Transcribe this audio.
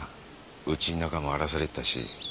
うちん中も荒らされてたし。